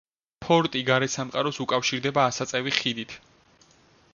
ფორტი გარესამყაროს უკავშირდება ასაწევი ხიდით.